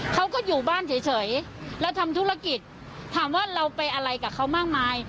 เขาก็อยู่บ้านเฉยเราทำธุรกิจถามว่าเราไปอะไรกับเขามากมาย